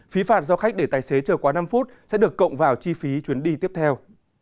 phí phạt do khách để tài xế chờ quá năm phút sẽ được cộng vào chi phí chuyến đi tiếp theo